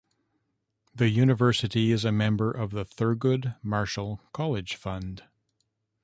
The university is a member of the Thurgood Marshall College Fund.